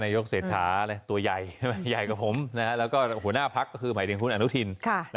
ยกเศรษฐาตัวใหญ่ใหญ่กว่าผมแล้วก็หัวหน้าพักก็คือหมายถึงคุณอนุทิน